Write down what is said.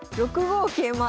６五桂馬。